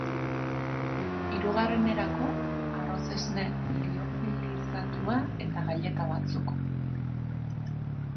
Hirugarrenerako, arrozesne liofilizatua eta galleta batzuk.